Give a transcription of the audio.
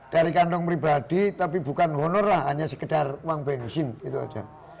dari kantong pribadi tapi bukan honor lah hanya sekedar uang bensin itu saja